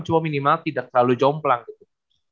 cuma minimal tidak terlalu jomplang gitu